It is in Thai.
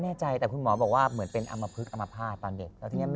อืมอืมอืมอืมอืม